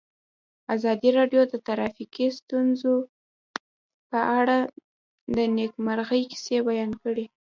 ازادي راډیو د ټرافیکي ستونزې په اړه د نېکمرغۍ کیسې بیان کړې.